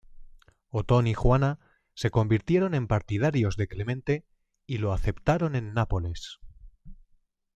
Otón y Juana se convirtieron en partidarios de Clemente y lo aceptaron en Nápoles.